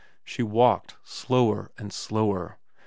She walked slower and slower.